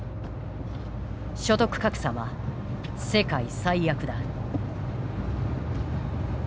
所得格差は世界最悪だ。